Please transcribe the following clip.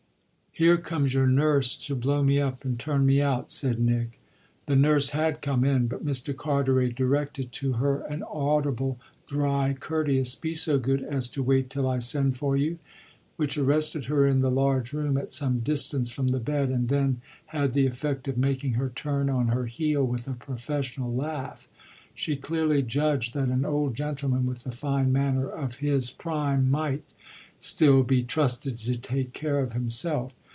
"Here comes your nurse to blow me up and turn me out," said Nick. The nurse had come in, but Mr. Carteret directed to her an audible dry, courteous "Be so good as to wait till I send for you," which arrested her in the large room at some distance from the bed and then had the effect of making her turn on her heel with a professional laugh. She clearly judged that an old gentleman with the fine manner of his prime might still be trusted to take care of himself.